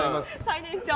最年長。